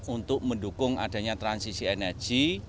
untuk mendukung adanya transisi energi